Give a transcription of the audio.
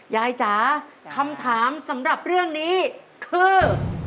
จ๋าคำถามสำหรับเรื่องนี้คือ